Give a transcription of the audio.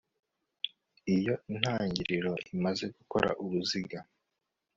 iyo intangiriro imaze gukora uruziga